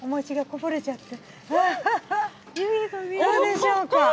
どうでしょうか。